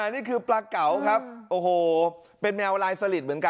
นี่คือปลาเก๋าครับโอ้โหเป็นแมวลายสลิดเหมือนกัน